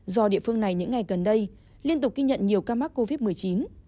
do địa phương này những ngày gần đây liên tục ghi nhận nhiều ca mắc covid một mươi chín